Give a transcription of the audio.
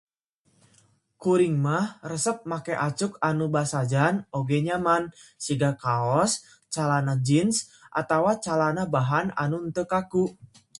Kuring mah resep make acuk anu basajan oge nyaman, siga kaos, calana jeans, atawa calana bahan anu henteu kaku.